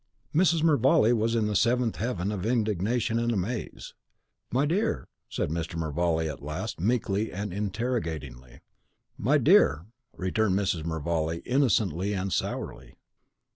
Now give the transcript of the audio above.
Mrs. Mervale was in the seventh heaven of indignation and amaze! "My dear?" said Mr. Mervale at last, meekly and interogatingly. "My dear!" returned Mrs. Mervale, innocently and sourly.